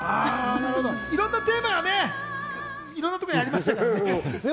いろんなテーマがいろんなところにありましたからね。